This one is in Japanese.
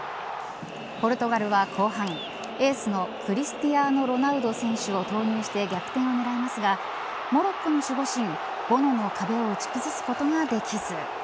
ポルトガルは後半エースのクリスティアーノ・ロナウド選手を投入して逆転を狙いますがモロッコの守護神、ボノの壁を打ち崩すことができず。